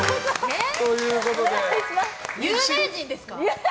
え、有名人ですか？